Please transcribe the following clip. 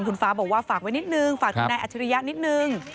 คุณฟ้าบอกว่าฝากไว้นิดนึงฝากคุณนายอัจฉริยะนิดนึง